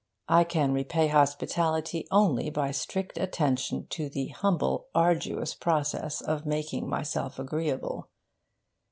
I can repay hospitality only by strict attention to the humble, arduous process of making myself agreeable.